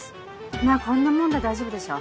まぁこんなもんで大丈夫でしょ。